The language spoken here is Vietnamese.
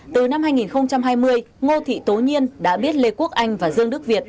từ năm hai nghìn hai mươi ngô thị tố nhiên đã biết lê quốc anh và dương đức việt